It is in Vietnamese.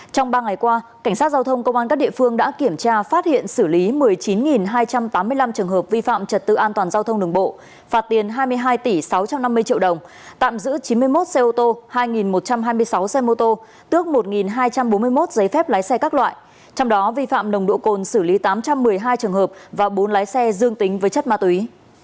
trong ba ngày qua cảnh sát giao thông công an các địa phương đã kiểm tra phát hiện xử lý một mươi chín hai trăm tám mươi năm trường hợp vi phạm trật tự an toàn giao thông đường bộ phạt tiền hai mươi hai tỷ sáu trăm năm mươi triệu đồng tạm giữ chín mươi một xe ô tô hai một trăm hai mươi sáu xe mô tô tước một hai trăm bốn mươi một giấy phép lái xe các loại trong đó vi phạm nồng độ cồn xử lý tám trăm một mươi hai trường hợp và bốn lái xe dương tính với chất ma túy